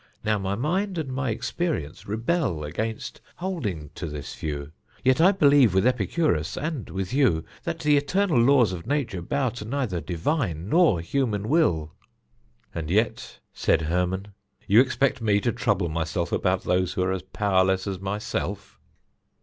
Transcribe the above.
Now my mind and my experience rebel against holding to this view, yet I believe with Epicurus, and with you, that the eternal laws of Nature bow to neither divine nor human will." "And yet," said Hermon, "you expect me to trouble myself about those who are as powerless as myself!"